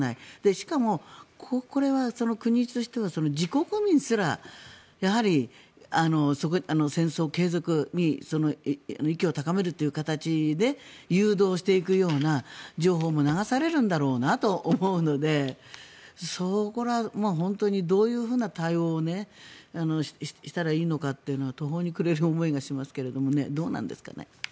しかも、これは国としては自国民すら戦争継続に士気を高めるという形で誘導していくような情報も流されるんだろうなと思うのでどういうふうな対応をしたらいいのかというのは途方に暮れる思いがしますけどもどうなんでしょうかね。